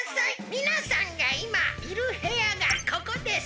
みなさんがいまいるへやがここです！